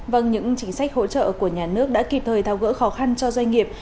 vâng những chính sách hỗ trợ của nhà nước đã kịp thời thao gỡ khó khăn cho doanh nghiệp